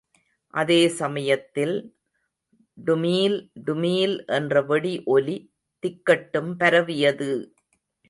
அதே சமயத்தில்.... டுமீல், டுமீல் என்ற வெடி ஒலி திக்கெட்டும் பரவியது!